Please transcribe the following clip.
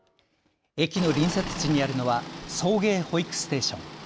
駅の隣接地にあるのは送迎保育ステーション。